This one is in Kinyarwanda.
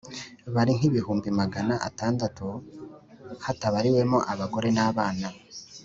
bari nk’ibihumbi magana atandatu hatabariwemo abagore n’abana, …